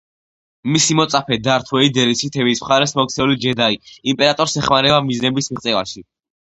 მისი მოწაფე, დართ ვეიდერი, სითების მხარეს მოქცეული ჯედაი, იმპერატორს ეხმარება მიზნების მიღწევაში.